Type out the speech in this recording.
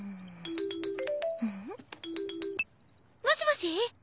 もしもし。